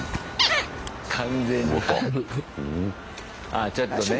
ああちょっとね。